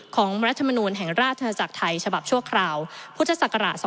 ของรัฐมนตรีแห่งราชภาษาจักรไทยฉบับชั่วคราวพศ๒๕๕๗